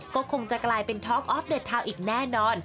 ก็คงจะกลายเป็นทอคอฟเดอร์เท้าอีกแน่นอน